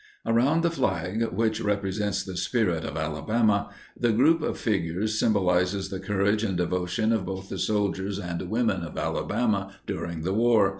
Around the flag—which represents the spirit of Alabama—the group of figures symbolizes the courage and devotion of both the soldiers and women of Alabama during the war.